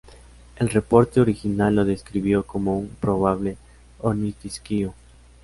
El reporte original lo describió como un "probable ornitisquio".